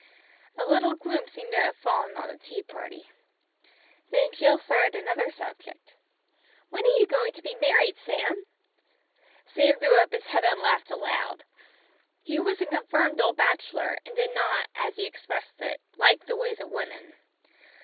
A little gloom seemed to have fallen on the tea party. Then Jill started another subject. "When are you going to be married, Sam?" Sam threw up his head and laughed aloud. He was a confirmed old bachelor and did not, as he expressed it, "like the ways of women."